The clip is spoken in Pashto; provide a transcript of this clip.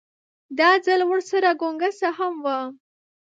دا ځل ورسره ګونګسه هم وه.